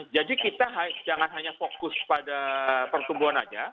jadi kita jangan hanya fokus pada pertumbuhan aja